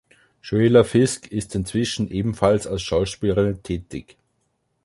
Schuyler Fisk ist inzwischen ebenfalls als Schauspielerin tätig.